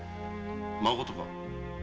まことか！？